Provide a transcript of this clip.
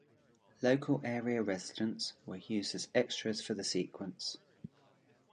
Local area residents were used as extras for the sequence.